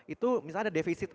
itu misalnya ada defisit